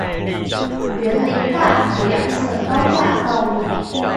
員林大排兩側高架道路